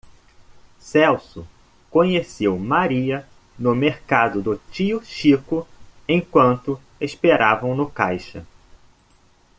celso conheceu maria no mercado do tio chico enquanto esperavam no caixa